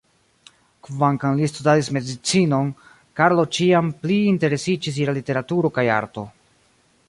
Kvankam li studadis medicinon, Karlo ĉiam pli interesiĝis je la literaturo kaj arto.